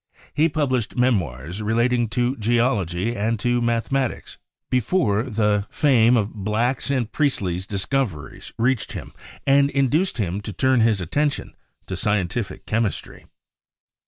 He published me moirs relating to geology and to mathematics, before the LAVOISIER 151 fame of Black's and Priestley's discoveries reached him and induced him to turn his attention to scientific chem istry.